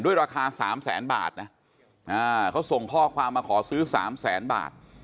ราคา๓แสนบาทนะเขาส่งข้อความมาขอซื้อ๓แสนบาท